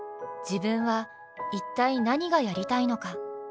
自分は一体何がやりたいのか。